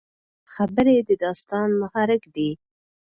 خبرې د داستان محرک دي.